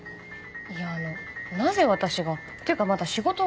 いやあのなぜ私がっていうかまだ仕事が。